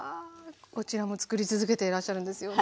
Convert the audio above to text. こちらもつくり続けていらっしゃるんですよね。